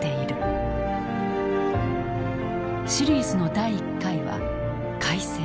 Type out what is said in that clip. シリーズの第１回は「開戦」。